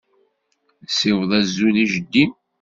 Ssiweḍ azul i jeddi-m.